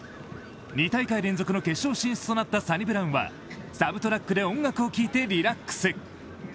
２大会連続の決勝進出となったサニブラウンはサブトラックで音楽を聴いてリラックス。